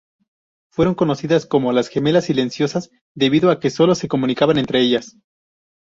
Fueron conocidas como "Las Gemelas Silenciosas", debido a que solo se comunicaban entre ellas.